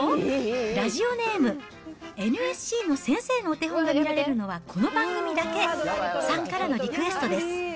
ラジオネーム、ＮＳＣの先生のお手本が見られるのはこの番組だけさんからのリクエストです。